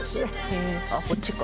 へえあっこっちか。